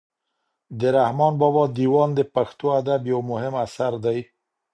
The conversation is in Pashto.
د رحمان بابا دېوان د پښتو ادب یو مهم اثر دی.